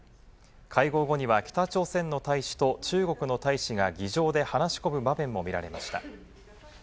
会合後には北朝鮮の大使と中国の大使が議場で話し込む場面も見られました。